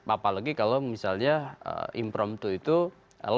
apalagi kalau misalnya impromptu itu loker kognitif